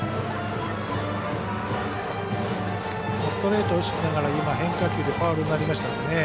ストレートを意識しながら変化球でファウルになりましたんでね。